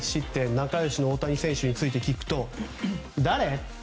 仲良しの大谷選手について聞くと誰？